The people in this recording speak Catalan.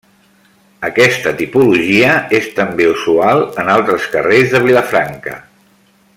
Aquesta tipologia és també usual en altres carrers de Vilafranca.